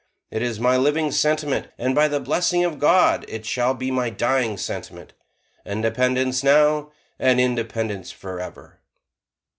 It is my living sentiment and by the blessing of God it shall be my dying sentiment. Independence now, and independence forever."